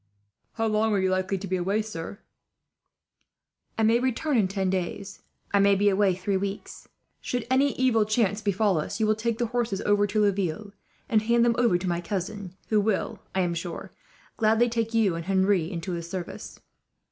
"How long are you likely to be away, sir?" "I may return in ten days. I may be away three weeks. Should any evil chance befall us, you will take the horses over to Laville and hand them over to my cousin; who will, I am sure, gladly take you and Henri into his service.